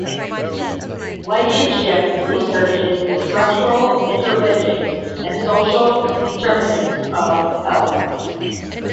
Blankenship researches structural interventions and social determinants of health.